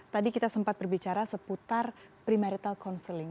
tadi kita sempat berbicara seputar pre marital counseling